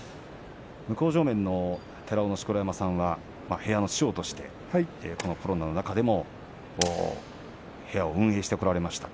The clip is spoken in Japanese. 向正面の寺尾の錣山さんは部屋の師匠としてこのコロナの中でも部屋を運営してこられました。